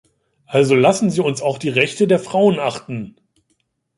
Also lassen Sie uns auch die Rechte der Frauen achten.